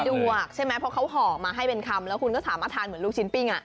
ดวกใช่ไหมเพราะเขาห่อมาให้เป็นคำแล้วคุณก็สามารถทานเหมือนลูกชิ้นปิ้ง